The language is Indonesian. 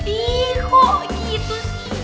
ih kok gitu sih